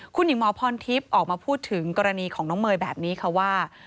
คุณหญิงหมอพรทิพย์ออกมาพูดถึงกรณีของน้องเมย์แบบนี้ค่ะว่า